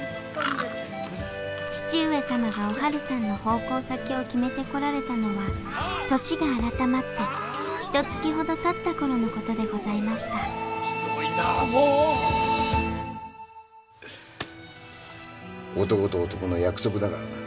義父上様がおはるさんの奉公先を決めてこられたのは年が改まったひとつきほどたったころの事でございました男と男の約束だからな。